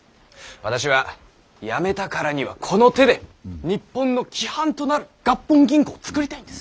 私は辞めたからにはこの手で日本の規範となる合本銀行を作りたいんです。